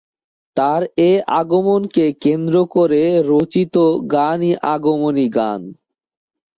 তাঁর এ আগমনকে কেন্দ্র করে রচিত গানই আগমনী গান।